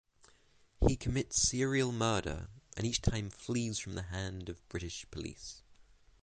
He commits serial murder and each time flees from the hand of British police.